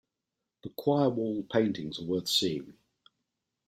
The choir wall paintings are worth seeing.